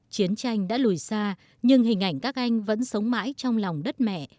chiến tranh đã lùi xa nhưng hình ảnh các anh vẫn sống mãi trong lòng đất mẹ